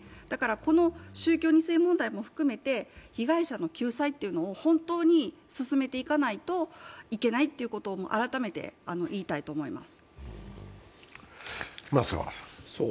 この宗教２世問題も含めて被害者の救済というのを本当に進めていかないといけないっていうことを改めて言いたいと思います。